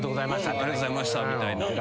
「ありがとうございました」みたいな。